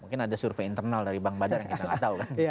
mungkin ada survei internal dari bank badar yang kita nggak tahu kan